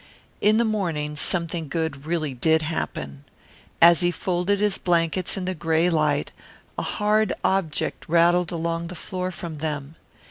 In the morning something good really did happen. As he folded his blankets in the gray light a hard object rattled along the floor from them.